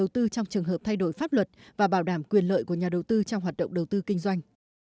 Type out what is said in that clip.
trong trường hợp thay đổi pháp luật và bảo đảm quyền lợi của nhà đầu tư trong hoạt động đầu tư kinh doanh